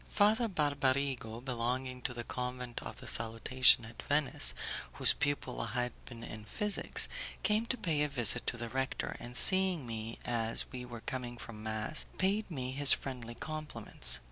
Father Barbarigo, belonging to the Convent of the Salutation at Venice, whose pupil I had been in physics, came to pay a visit to the rector, and seeing me as we were coming from mass paid me his friendly compliments.